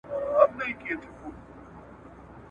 جهاني قاصد راغلی ساه ختلې ده له ښاره `